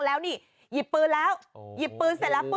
หยิบปืนสินะ